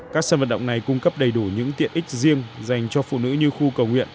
các sân vận động này cung cấp đầy đủ những tiện ích riêng dành cho phụ nữ như khu cầu nguyện